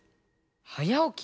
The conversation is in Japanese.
はやおき？